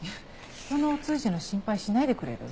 ひとのお通じの心配しないでくれる？